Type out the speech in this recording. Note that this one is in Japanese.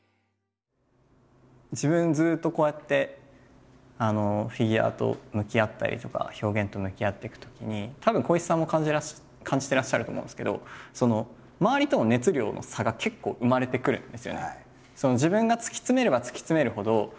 自分ずっとこうやってフィギュアと向き合ったりとか表現と向き合っていくときにたぶん光一さんも感じてらっしゃると思うんですけどって思ってる方々がやっぱたくさんいて。